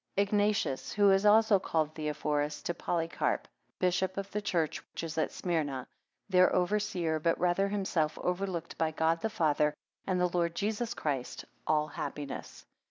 IGNATIUS, who is also called Theophorus, to Polycarp, bishop of the church which is at Smyrna; their overseer, but rather himself overlooked by God the Father, and the Lord Jesus Christ; all happiness.